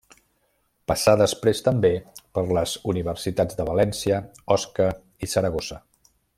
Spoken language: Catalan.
Passà després també per les universitats de València, Osca i Saragossa.